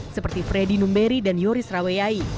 seperti fredy numberi dan yoris raweyai